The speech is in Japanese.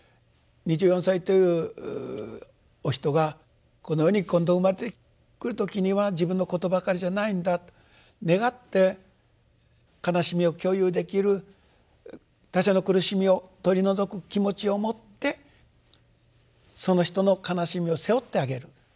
２４歳というお人がこの世に今度生まれてくる時には自分のことばかりじゃないんだと願って悲しみを共有できる他者の苦しみを取り除く気持ちを持ってその人の悲しみを背負ってあげる。